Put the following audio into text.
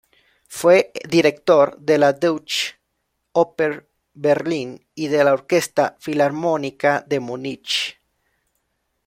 Fue director de la Deutsche Oper Berlin y de la Orquesta Filarmónica de Múnich.